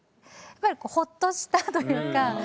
やっぱりほっとしたというか。